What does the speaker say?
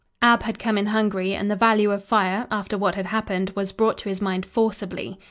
Ab had come in hungry and the value of fire, after what had happened, was brought to his mind forcibly.